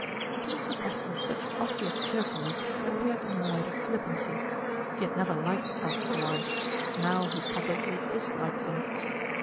To Mr. Tassell such obvious cheerfulness appeared in the light of flippancy. He had never liked Alfred Warren; now he positively disliked him.